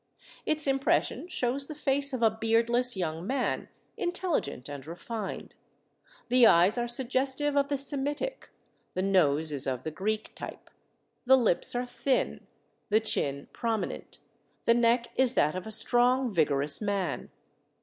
Its impression shows the face of a beardless young man, intelligent and refined. The eyes are sug gestive of the Semitic ; the nose is of the Greek type ; the lips are thin, the chin prominent ; the neck is that of a strong vigorous man.